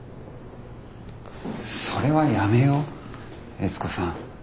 それはやめよう悦子さん。